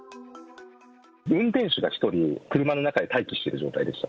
運転手が１人、車の中で待機している状態でした。